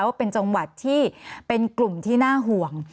ว่าเป็นจังหวัดที่เป็นกลุ่มที่น่าห่วง